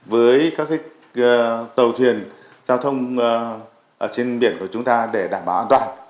với các tàu thuyền giao thông trên biển của chúng ta để đảm bảo an toàn